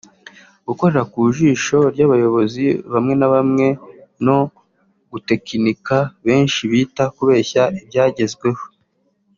Gukorera ku ijisho ry’abayobozi bamwe n’abamwe no “gutekinika” benshi bita kubeshya ibyagezweho